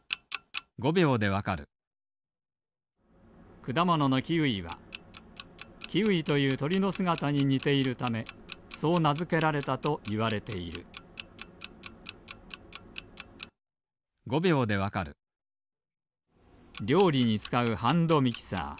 くだもののキウイはキーウィというとりのすがたににているためそうなづけられたといわれているりょうりにつかうハンドミキサー。